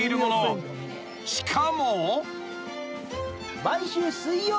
［しかも］